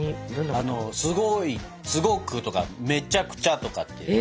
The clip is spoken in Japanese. あのすごいすごくとかめちゃくちゃとかって。